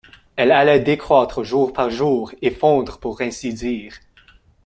Elle allait décroître jour par jour, et fondre pour ainsi dire.